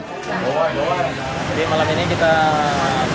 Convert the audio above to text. jadi malam ini kita berkampungan kita berkampungan